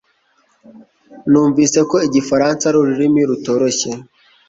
Numvise ko Igifaransa ari ururimi rutoroshye